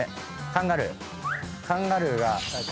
カンガルーが。